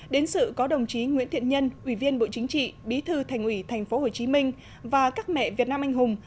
đến sự có đồng chí nguyễn thiện nhân ủy viên bộ chính trị bí thư thành ủy tp hcm và các mẹ việt nam anh hùng